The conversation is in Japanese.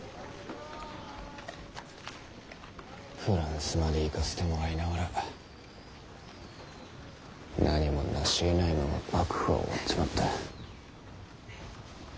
フランスまで行かせてもらいながら何もなしえないまま幕府は終わっちまった。